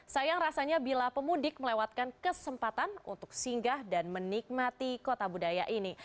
sayang rasanya bila pemudik melewatkan kesempatan untuk singgah dan menikmati kota budaya ini